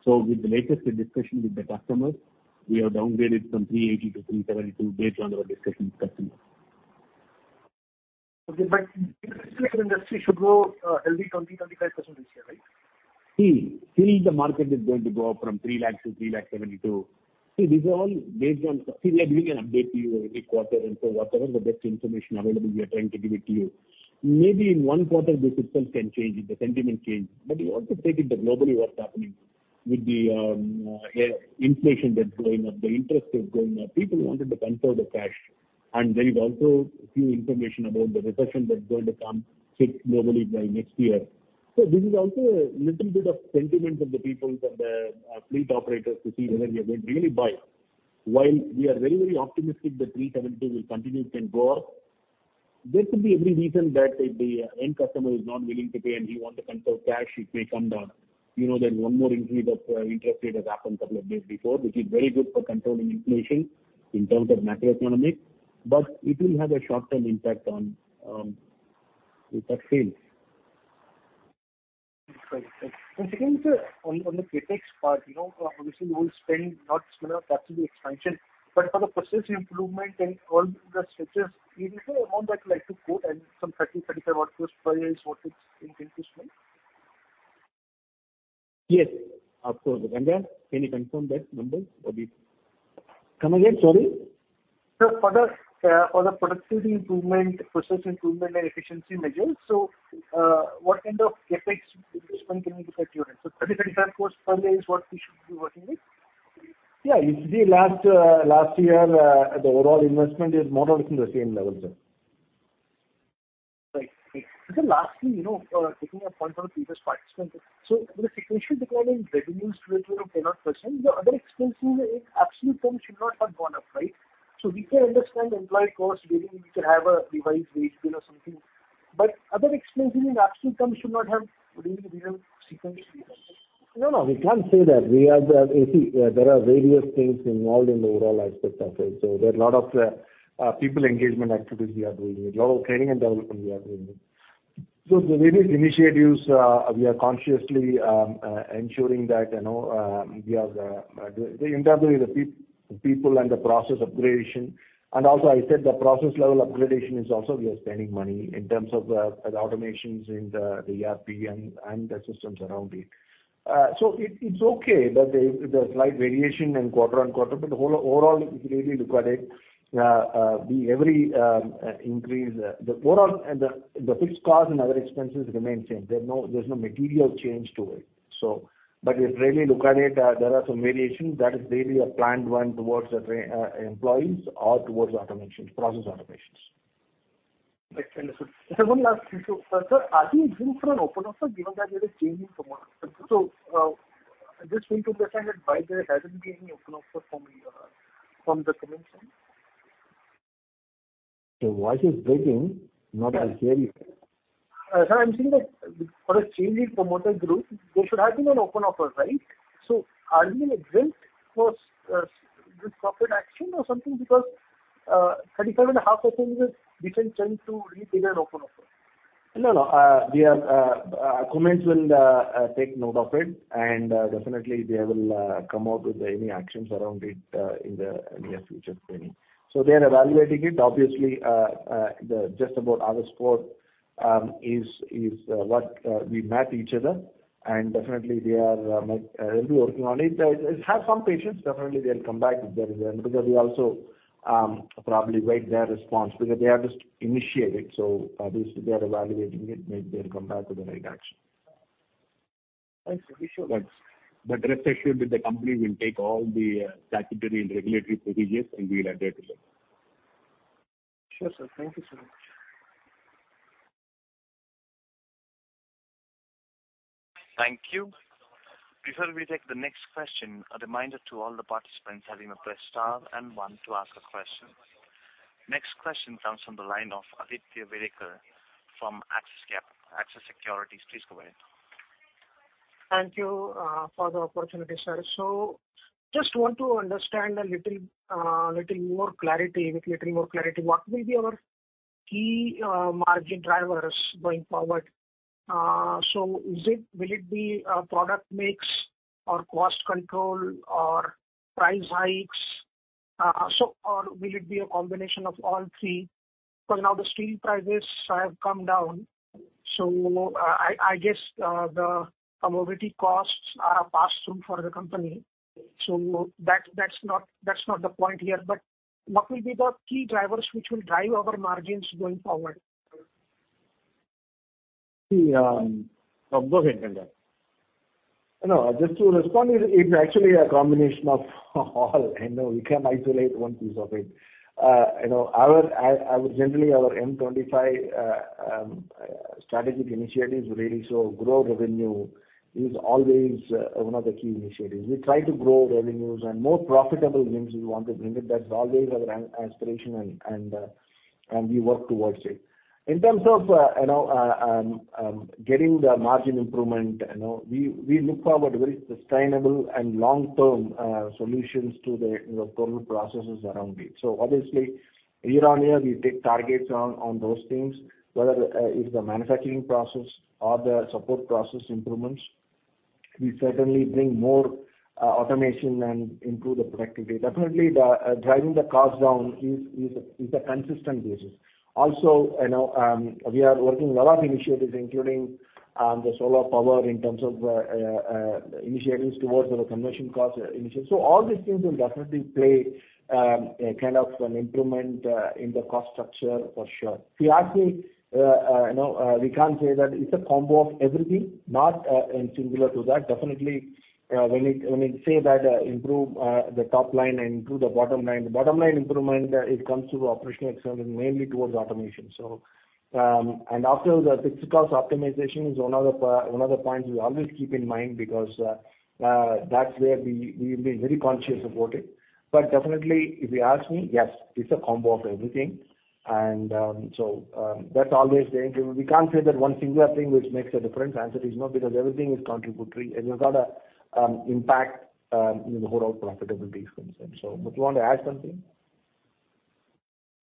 So with the latest discussion with the customers, we have downgraded from 380 to 372 based on our discussion with customers. Okay. But still, the industry should grow healthy 20 to 25% this year, right? See, still the market is going to go up from 300,000 to 372,000. See, these are all based on... See, we are giving an update to you every quarter, and so whatever the best information available, we are trying to give it to you. Maybe in one quarter, the system can change, if the sentiment change. But you also take it that globally what's happening with the inflation that's going up, the interest is going up. People wanted to control the cash, and there is also a few information about the recession that's going to come hit globally by next year. So this is also a little bit of sentiment of the people, from the fleet operators to see whether we are going to really buy. While we are very, very optimistic that 372 will continue, it can go up, this could be every reason that if the end customer is not willing to pay and he want to control cash, it may come down. You know, there's one more increase of interest rate has happened couple of days before, which is very good for controlling inflation in terms of macroeconomic, but it will have a short-term impact on with the sales. Right. Right. Second, sir, on the CapEx part, you know, obviously, we will spend not only on capacity expansion, but for the process improvement and all the structures. Is it around that like to go at some INR 30-35 crore per year? Is what it's increasing? Yes, of course. Ranga, can you confirm that number or we... Come again, sorry. Sir, for the productivity improvement, process improvement and efficiency measures, so what kind of CapEx spend can we expect your end? So 35 crore per year is what we should be working with? Yeah, it's the last year, the overall investment is more or less in the same level, sir. Right. Right. Sir, lastly, you know, taking a point from the previous participant, so the sequential decline in revenues to the tune of 10%, the other expenses in absolute terms should not have gone up, right? So we can understand employee costs, maybe we could have a revised wage bill or something, but other expenses in absolute terms should not have really been sequenced. No, no, we can't say that. We are the—see, there are various things involved in the overall aspect of it. So there are a lot of people engagement activities we are doing, a lot of training and development we are doing.... So the various initiatives, we are consciously ensuring that, you know, we have the internally, the people and the process upgradation. And also I said the process level upgradation is also we are spending money in terms of the automations in the ERP and the systems around it. So it's okay that there is a slight variation in quarter-on-quarter, but the whole overall, if you really look at it, the every increase, the overall and the fixed costs and other expenses remain same. There's no, there's no material change to it. So but if you really look at it, there are some variations that is really a planned one towards the employees or towards automations, process automations. Right, understood. Sir, one last thing. So, sir, are you going for an open offer, given that there is change in promoter? So, just want to understand that why there hasn't been any open offer from you, from the Cummins end? Your voice is breaking. Now I hear you. Sir, I'm saying that for a change in promoter group, there should have been an open offer, right? So are you exempt for this corporate action or something, because 37.5% is different threshold to require open offer. No, no, we are Cummins will take note of it, and definitely they will come out with any actions around it in the near future framing. So they are evaluating it. Obviously, they just about our support is what we met each other, and definitely they might be working on it. Have some patience, definitely they'll come back with their return, because we also probably await their response, because they just initiated, so at least they are evaluating it, maybe they'll come back with the right action. Thanks, sir. Sure. Rest assured that the company will take all the statutory and regulatory procedures, and we will adhere to them. Sure, sir. Thank you so much. Thank you. Before we take the next question, a reminder to all the participants: press star one to ask a question. Next question comes from the line of Aditya Welekar from Axis Cap, Axis Securities. Please go ahead. Thank you, for the opportunity, sir. So just want to understand a little, little more clarity, with little more clarity, what will be our key, margin drivers going forward? So is it- will it be, product mix or cost control or price hikes? So or will it be a combination of all three? Because now the steel prices have come down, so, I, I guess, the commodity costs are a pass-through for the company. So that's, that's not, that's not the point here. But what will be the key drivers which will drive our margins going forward? See, go ahead, Kendar. No, just to respond, it, it's actually a combination of all. I know you can isolate one piece of it. You know, our generally our M25 strategic initiatives, really, so grow revenue is always one of the key initiatives. We try to grow revenues and more profitable means we want to bring it. That's always our aspiration and, and, and we work towards it. In terms of, you know, getting the margin improvement, you know, we, we look forward very sustainable and long-term solutions to the internal processes around it. So obviously, year on year, we take targets on, on those things, whether it's the manufacturing process or the support process improvements. We certainly bring more automation and improve the productivity. Definitely, the driving the cost down is a consistent basis. Also, you know, we are working a lot of initiatives, including the solar power in terms of initiatives towards the conversion cost initiative. So all these things will definitely play a kind of an improvement in the cost structure for sure. If you ask me, you know, we can't say that it's a combo of everything, not and similar to that. Definitely, when we say that improve the top line and improve the bottom line, the bottom line improvement it comes through operational excellence, mainly towards automation. So, and after the fixed cost optimization is one of the points we always keep in mind, because that's where we've been very conscious about it. But definitely, if you ask me, yes, it's a combo of everything. And so, that's always the interview. We can't say that one singular thing which makes a difference. Answer is no, because everything is contributory, and you've got an impact in the overall profitability concern. So would you want to add something?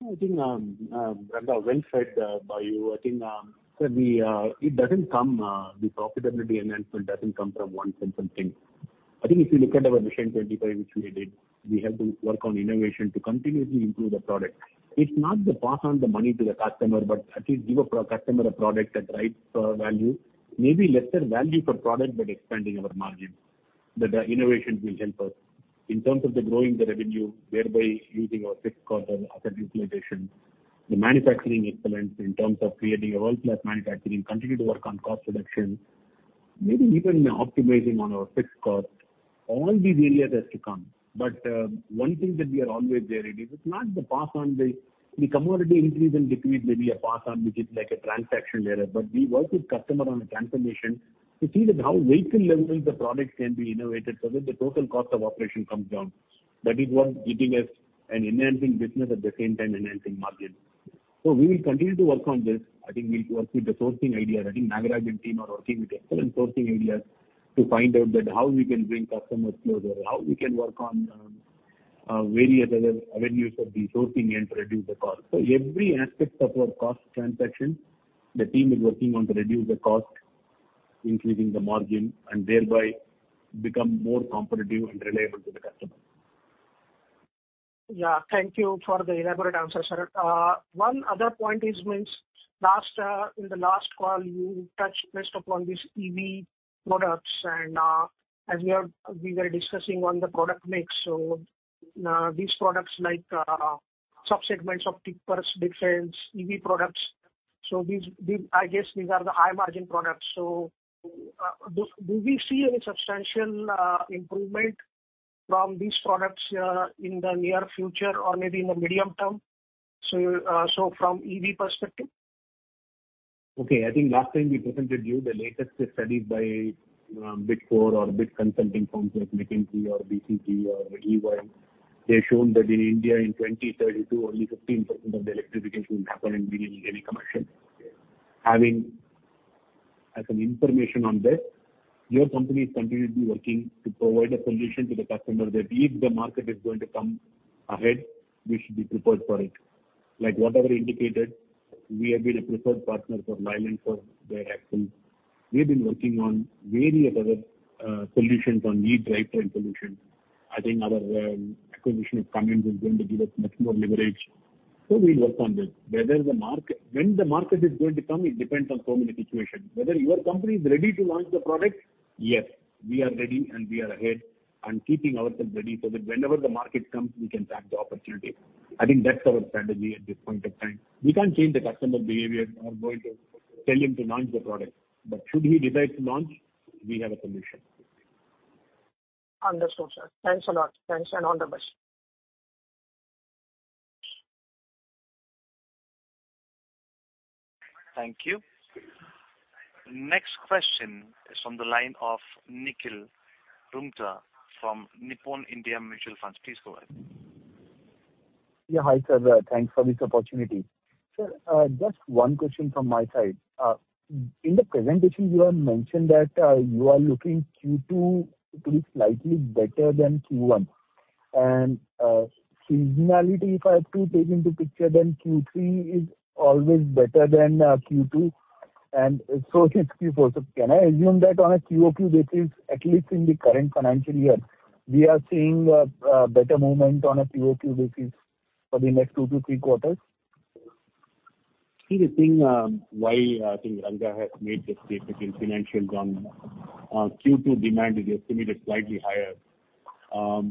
I think, well said by you. I think, so the, it doesn't come, the profitability enhancement doesn't come from one simple thing. I think if you look at our Vision 25, which we did, we have to work on innovation to continuously improve the product. It's not to pass on the money to the customer, but at least give a pro-customer a product at right value. Maybe lesser value for product, but expanding our margins, that the innovations will help us. In terms of the growing the revenue, whereby using our fixed cost and asset utilization, the manufacturing excellence in terms of creating a world-class manufacturing, continue to work on cost reduction, maybe even optimizing on our fixed cost, all these areas has to come. But one thing that we are always wary, is it's not the pass on the... The commodity increase and decrease may be a pass on, which is like a transaction error, but we work with customer on a transformation to see that how vehicle level the product can be innovated, so that the total cost of operation comes down. That is what giving us an enhancing business, at the same time, enhancing margin. So we will continue to work on this. I think we'll work with the sourcing ideas. I think Nagaraja and team are working with excellent sourcing ideas to find out that how we can bring customers closer, how we can work on.... various other avenues of the sourcing and to reduce the cost. So every aspect of our cost transaction, the team is working on to reduce the cost, increasing the margin, and thereby become more competitive and reliable to the customer. Yeah, thank you for the elaborate answer, sir. One other point is, means, last in the last call, you touched based upon these EV products, and as we are- we were discussing on the product mix. So, these products like subsegments of tippers, defense, EV products, so these, these-- I guess, these are the high margin products. So, do we see any substantial improvement from these products in the near future or maybe in the medium term, so from EV perspective? Okay. I think last time we presented you the latest study by, Big Four or big consulting firms like McKinsey or BCG or EY. They shown that in India, in 2032, only 15% of the electrification will happen in medium and heavy commercial. Having as an information on this, your company is continuously working to provide a solution to the customer, that if the market is going to come ahead, we should be prepared for it. Like whatever indicated, we have been a preferred partner for Ashok Leyland, for their axle. We've been working on various other, solutions on e-drivetrain solutions. I think our, acquisition of Cummins is going to give us much more leverage, so we'll work on this. Whether the market... When the market is going to come, it depends on so many situations. Whether your company is ready to launch the product? Yes, we are ready, and we are ahead, and keeping ourselves ready so that whenever the market comes, we can grab the opportunity. I think that's our strategy at this point of time. We can't change the customer behavior or going to tell him to launch the product, but should he decide to launch, we have a solution. Understood, sir. Thanks a lot. Thanks, and all the best. Thank you. Next question is from the line of Nikhil Rungta from Nippon India Mutual Fund. Please go ahead. Yeah, hi, sir. Thanks for this opportunity. Sir, just one question from my side. In the presentation, you have mentioned that you are looking Q2 to be slightly better than Q1. And, seasonality, if I have to take into picture, then Q3 is always better than Q2, and so Q4. So can I assume that on a QOQ basis, at least in the current financial year, we are seeing a better moment on a QOQ basis for the next two to three quarters? See, the thing, why I think Ranga has made the statement in financial term, Q2 demand is estimated slightly higher.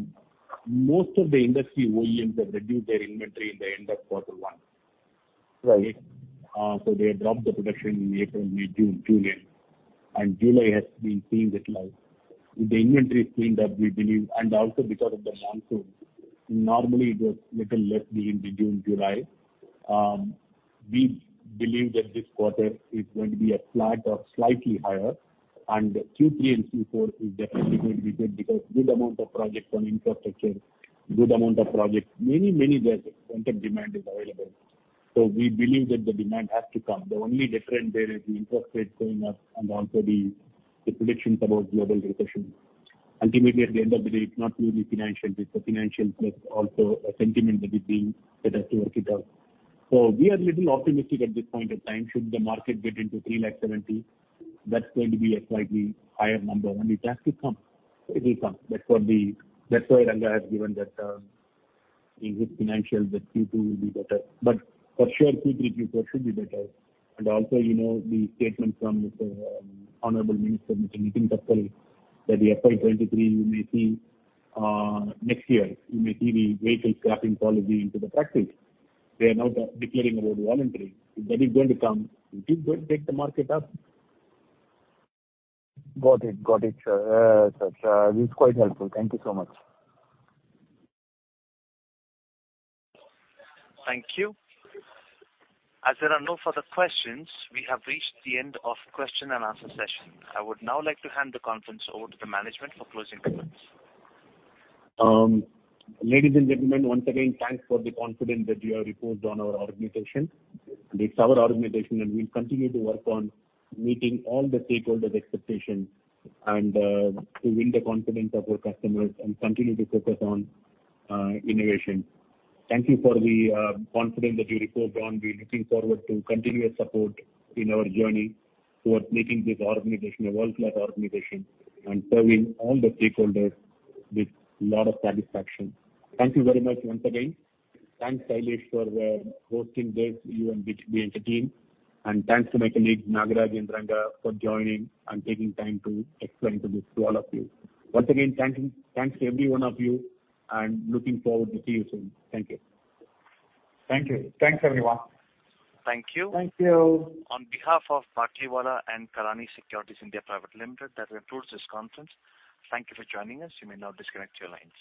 Most of the industry volumes have reduced their inventory in the end of quarter one. Right. So they dropped the production in April, May, June, and July and has been seeing it like... The inventory is saying that we believe, and also because of the monsoon, normally there's little less demand in June, July. We believe that this quarter is going to be a flat or slightly higher, and Q3 and Q4 is definitely going to be good because good amount of projects on infrastructure, good amount of projects, many, many projects, plenty of demand is available. So we believe that the demand has to come. The only difference there is the interest rate going up and also the, the predictions about global recession. Ultimately, at the end of the day, it's not only financial, it's the financial plus also a sentiment that is being, that has to work it out. So we are little optimistic at this point in time. Should the market get into 370,000, that's going to be a slightly higher number, and it has to come. It will come. That's what— That's why Ranga has given that in his financials, that Q2 will be better. But for sure, Q3, Q4 should be better. And also, you know, the statement from Mr. Honorable Minister, Mr. Nitin Gadkari, that the FY23, you may see, next year, you may see the vehicle scrapping policy into the practice. They are now declaring about voluntary. If that is going to come, it is going to take the market up. Got it. Got it, sir. This is quite helpful. Thank you so much. Thank you. As there are no further questions, we have reached the end of question and answer session. I would now like to hand the conference over to the management for closing comments. Ladies and gentlemen, once again, thanks for the confidence that you have reposed on our organization. It's our organization, and we'll continue to work on meeting all the stakeholders' expectations and to win the confidence of our customers and continue to focus on innovation. Thank you for the confidence that you reposed on. We're looking forward to continuous support in our journey towards making this organization a world-class organization and serving all the stakeholders with a lot of satisfaction. Thank you very much once again. Thanks, Sailesh, for hosting this, you and B&K and the team. And thanks to my colleagues, Nagaraja and Ranga, for joining and taking time to explain to all of you. Once again, thanks to every one of you, and looking forward to see you soon. Thank you. Thank you. Thanks, everyone. Thank you. Thank you. On behalf of Batlivala and Karani Securities India Private Limited, that concludes this conference. Thank you for joining us. You may now disconnect your lines.